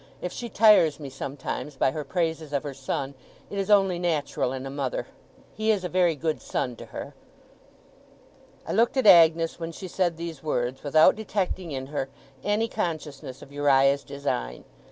If she tires me, sometimes, by her praises of her son, it is only natural in a mother. He is a very good son to her.' I looked at Agnes when she said these words, without detecting in her any consciousness of Uriah's design.